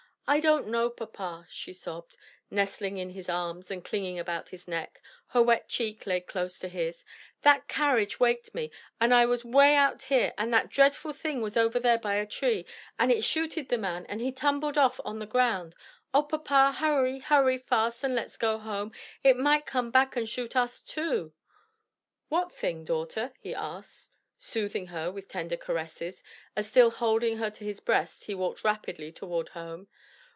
"I don't know, papa," she sobbed, nestling in his arms and clinging about his neck, her wet cheek laid close to his, "that carriage waked me, and I was 'way out here, and that dreadful thing was over there by a tree, and it shooted the man, and he tumbled off on the ground. O papa, hurry, hurry fast, and let's go home; it might come back and shoot us too." "What thing, daughter?" he asked, soothing her with tender caresses, as still holding her to his breast, he walked rapidly toward home.